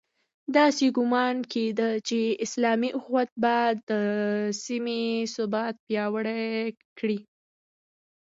داسې ګومان کېده چې اسلامي اُخوت به د سیمې ثبات پیاوړی کړي.